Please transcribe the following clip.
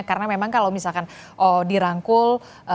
karena memang kalau misalkan dirangkul